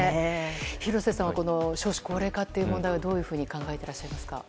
廣瀬さんは少子高齢化という問題はどういうふうに考えていらっしゃいますか？